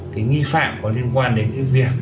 cái nghi phạm có liên quan đến cái việc